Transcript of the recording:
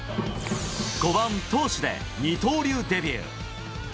５番投手で二刀流デビュー。